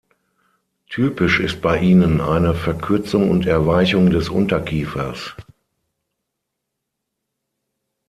Typisch ist bei ihnen eine Verkürzung und Erweichung des Unterkiefers.